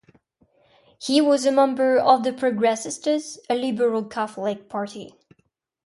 He was a member of the Progresistas, a liberal Catholic party.